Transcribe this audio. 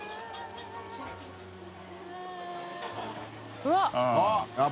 うわっ！